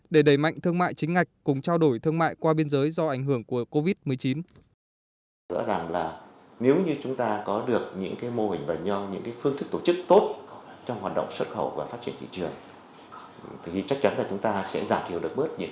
để đẩy mạnh thương mại chính ngạch cùng trao đổi thương mại qua biên giới do ảnh hưởng của covid một mươi chín